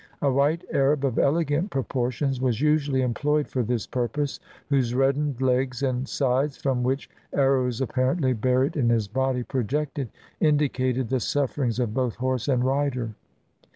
A white Arab of elegant proportions was usually employed for this purpose, whose reddened legs and sides (from which arrows, apparently buried in his body, projected) indi cated the sufferings of both horse and rider.